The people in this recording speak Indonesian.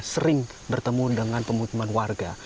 sering bertemu dengan pemukiman warga